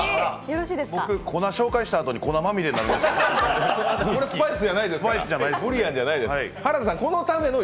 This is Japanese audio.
僕、粉、紹介したあとに粉まみれになるの。